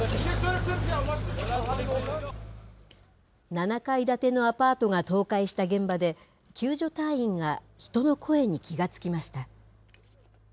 ７階建てのアパートが倒壊した現場で、救助隊員が人の声に気が付きました。